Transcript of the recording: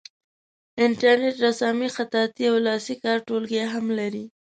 انټرنیټ رسامي خطاطي او لاسي کار ټولګي هم لري.